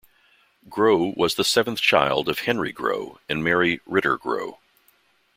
Grow was the seventh child of Henry Grow and Mary Riter Grow.